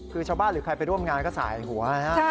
คือชาวบ้านหรือใครไปร่วมงานก็สายหัวนะ